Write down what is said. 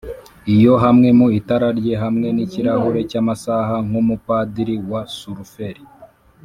iyo, hamwe nu itara rye hamwe nikirahure cyamasaha, nkumupadiri wa sulferi,